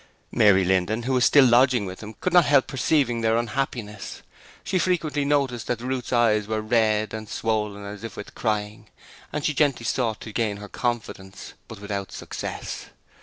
Mary Linden, who was still lodging with them, could not help perceiving their unhappiness: she frequently noticed that Ruth's eyes were red and swollen as if with crying, and she gently sought to gain her confidence, but without success.